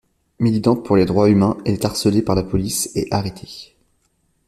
Militante pour les droits humains, elle est harcelée par la police et arrêtée.